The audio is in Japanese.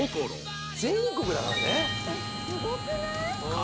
えっすごくない？